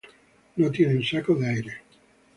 No tienen sacos de aire.